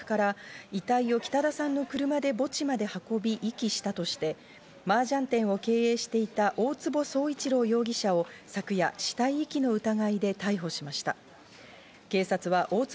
警察は北田さんの自宅から遺体を北田さんの車で墓地まで運び、遺棄したとしてマージャン店を経営していた大坪宗一郎容疑者を昨夜、死体遺棄の疑いで逮捕しました。